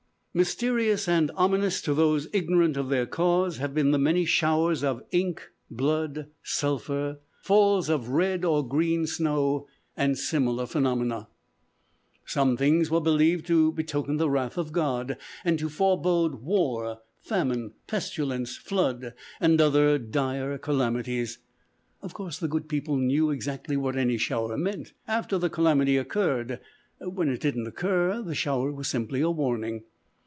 Mysterious and ominous to those ignorant of their cause have been the many showers of "ink, blood, sulphur," falls of red or green snow, and similar phenomena. Such things were believed to betoken the wrath of God, and to forebode war, famine, pestilence, flood, and other dire calamities. Of course, the good people knew exactly what any shower meant after the calamity occurred. When it didn't occur, the shower was simply a warning.